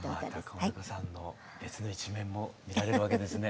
川中さんの別の一面も見られるわけですね。